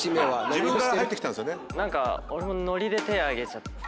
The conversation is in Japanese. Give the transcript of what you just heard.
何か俺もノリで手挙げちゃって。